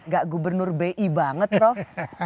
gak gubernur bi banget prof